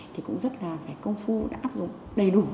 thì cũng rất là phải công phu đã áp dụng đầy đủ